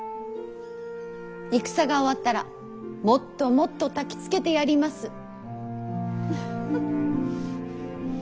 戦が終わったらもっともっとたきつけてやります。